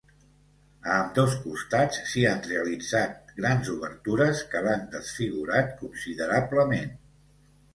A ambdós costats s'hi han realitzat grans obertures que l'han desfigurat considerablement.